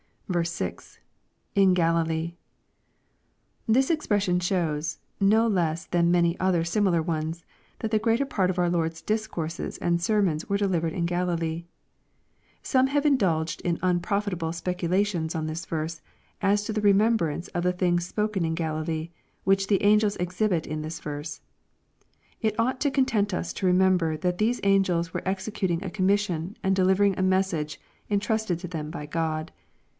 6. — [In Galilee.] This expression shows, no less than many othei similar ones, that the greater part of our Lord's discourses and ser» mons were delivered in Galilee. Some have indulged in unprofitable speculations on this verse, IS to the remembrance of the things spoken in GaUlee, which the angels exhibit in this verse. It ought to content us to remember that these angels were executing a commission and delivering a message intrusted to them by God.